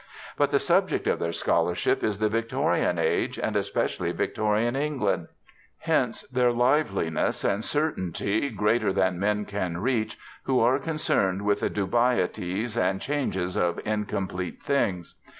But the subject of their scholarship is the Victorian age, and especially Victorian England. Hence their liveliness and certainty, greater than men can reach who are concerned with the dubieties and changes of incomplete things.